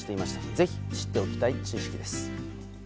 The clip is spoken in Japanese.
ぜひ、知っておきたい知識です。